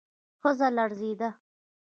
ښځه لړزېده.